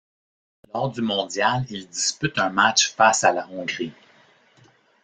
Lors du mondial, il dispute un match face à la Hongrie.